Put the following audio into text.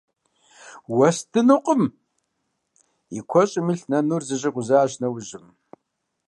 Уэстынукъым! – и куэщӀым илъ нынур зэщӀикъузащ ныуэжьым.